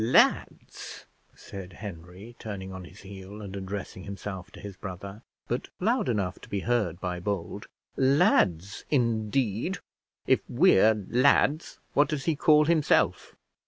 "Lads!" said Henry, turning on his heel and addressing himself to his brother, but loud enough to be heard by Bold; "lads, indeed! if we're lads, what does he call himself?"